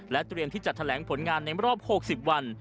เตรียมที่จะแถลงผลงานในรอบ๖๐วัน